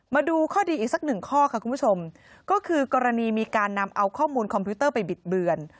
มาดูข้อดีอีกสักหนึ่งข้อค่ะคุณผู้ชมก็คือกรณีมีการนำเอาข้อมูลคอมพิวเตอร์ไปบิดเบือน